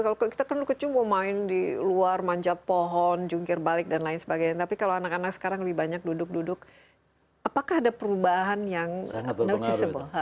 kalau kita kan kecil mau main di luar manjat pohon jungkir balik dan lain sebagainya tapi kalau anak anak sekarang lebih banyak duduk duduk apakah ada perubahan yang noticeable